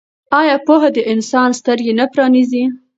آیا پوهه د انسان سترګې نه پرانیزي؟